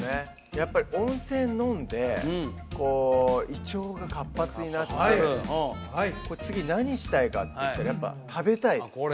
やっぱり温泉飲んでこう胃腸が活発になって次何したいかっていったらやっぱ食べたいあっこれ？